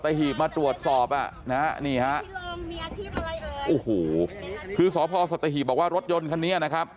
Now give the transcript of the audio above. หีบมาตรวจสอบอ่ะนะฮะนี่ฮะโอ้โหคือสพสัตหีบบอกว่ารถยนต์คันนี้นะครับ